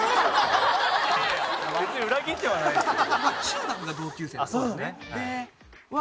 いやいや別に裏切ってはないですよ。